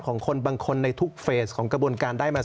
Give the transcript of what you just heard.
ของคนบางคนในทุกเฟสของกระบวนการได้มา